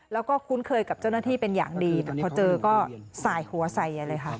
แล้วก็คุ้นเคยกับเจ้าหน้าที่เป็นอย่างดีแต่พอเจอก็สายหัวใส่เลยค่ะ